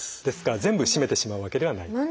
ですから全部閉めてしまうわけではない。